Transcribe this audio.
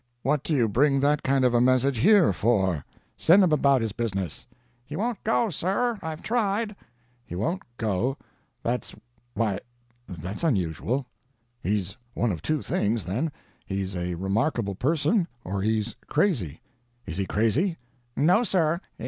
"What do you bring that kind of a message here for? Send him about his business." "He won't go, sir. I've tried." "He won't go? That's why, that's unusual. He's one of two things, then: he's a remarkable person, or he's crazy. Is he crazy?" "No, sir.